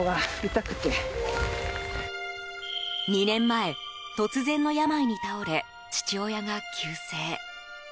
２年前、突然の病に倒れ父親が急逝。